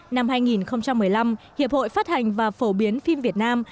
năm hai nghìn một mươi năm hiệp hội phát hành và phổ biến phim việt nam